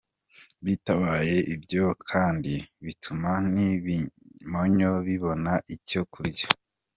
Bitabaye ibyo kandi bituma n’ibimonyo bibona icyo kurya.